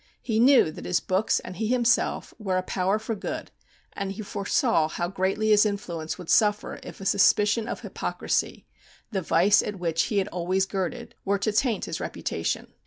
He knew that his books and he himself were a power for good, and he foresaw how greatly his influence would suffer if a suspicion of hypocrisy the vice at which he had always girded were to taint his reputation.